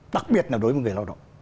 đặc biệt là đối với người lao động